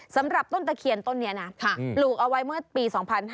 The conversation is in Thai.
สำหรับต้นตะเคียนต้นนี้นะปลูกเอาไว้เมื่อปี๒๕๕๙